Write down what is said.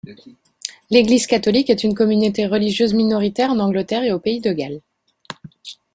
L'Église catholique est une communauté religieuse minoritaire en Angleterre et au pays de Galles.